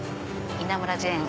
『稲村ジェーン』。